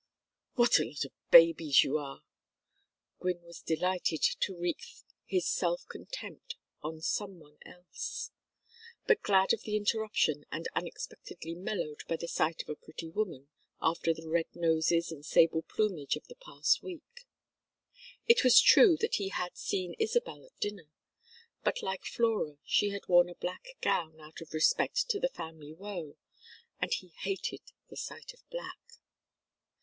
"What a lot of babies you are!" Gwynne was delighted to wreak his self contempt on some one else, but glad of the interruption, and unexpectedly mellowed by the sight of a pretty woman after the red noses and sable plumage of the past week. It was true that he had seen Isabel at dinner, but like Flora she had worn a black gown out of respect to the family woe, and he hated the sight of black.